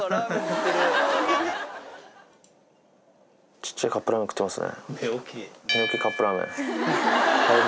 小っちゃいカップラーメン食ってますね。